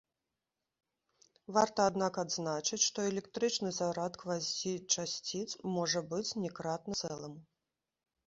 Варта, аднак, адзначыць, што электрычны зарад квазічасціц можа быць не кратны цэламу.